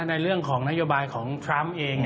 ในเรื่องของนโยบายของทรัมป์เอง